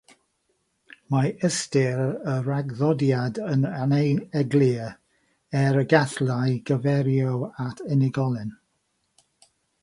Mae ystyr y rhagddodiad yn aneglur, er y gallai gyfeirio at unigolyn.